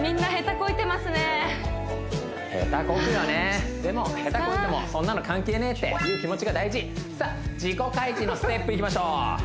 みんな下手こいてますね下手こくよねでも下手こいてもそんなの関係ねえ！っていう気持ちが大事さあ自己開示のステップいきましょう